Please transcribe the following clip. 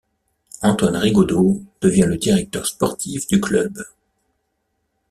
Antoine Rigaudeau devient le directeur sportif du club.